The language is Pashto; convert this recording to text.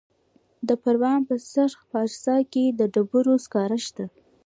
د پروان په سرخ پارسا کې د ډبرو سکاره شته.